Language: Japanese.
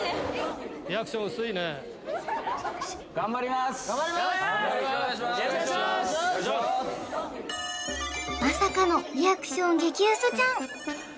まさかのリアクション激薄ちゃん